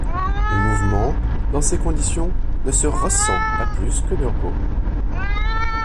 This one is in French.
Le mouvement, dans ces conditions, ne se « ressent » pas plus que le repos.